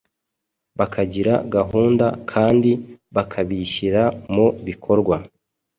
bakagira gahunda kandi bakabishyira mu bikorwa.